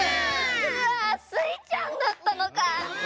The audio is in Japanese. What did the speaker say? うわスイちゃんだったのかぁ！